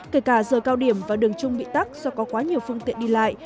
kể cả giờ cao điểm và đường trung bị tắt do có quá nhiều phương tiện đi lại